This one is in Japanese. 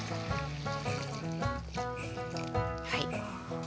はい。